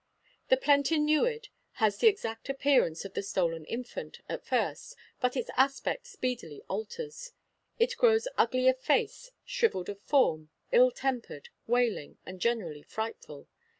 The plentyn newid has the exact appearance of the stolen infant, at first; but its aspect speedily alters. It grows ugly of face, shrivelled of form, ill tempered, wailing, and generally frightful.